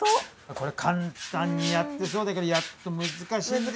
これ簡単にやってそうだけどやると難しいんですよね。